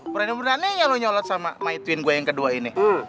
berani beraninya lo nyolat sama my twin gue yang kedua ini